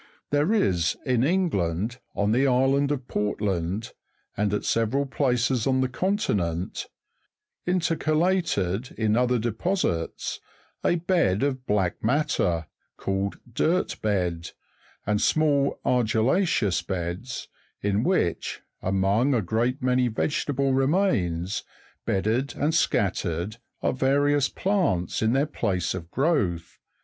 There is in England, on the island of Portland, and at several places on the continent, intercalated in other deposits, a bed of black matter, called dirt bed, and small argilla'ceous beds, in which, among a great many vege table remains, bedded and scattered, are various plants in their place of growth (fig.